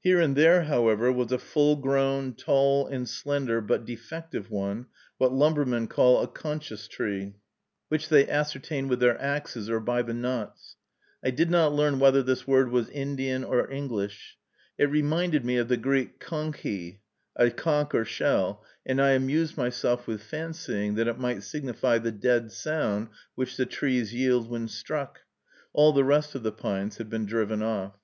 Here and there, however, was a full grown, tall, and slender, but defective one, what lumbermen call a konchus tree, which they ascertain with their axes, or by the knots. I did not learn whether this word was Indian or English. It reminded me of the Greek κόγχη, a conch or shell, and I amused myself with fancying that it might signify the dead sound which the trees yield when struck. All the rest of the pines had been driven off.